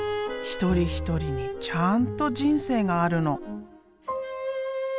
一人一人にちゃんと人生があるの。